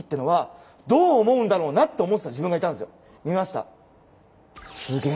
見ました。